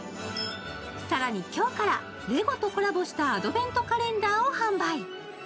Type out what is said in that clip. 更に、今日からレゴとコラボしたアドベントカレンダーを販売。